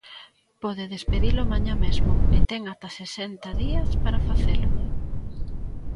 Pode despedilo mañá mesmo, e ten ata sesenta días para facelo.